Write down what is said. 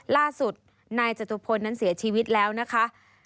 ล่าสุดนายจตุพลนั้นเสียชีวิตแล้วนะคะ